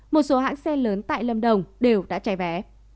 một số hãng xe lớn tại lâm đồng đều đã cháy vé